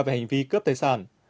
về hành vi cướp tài sản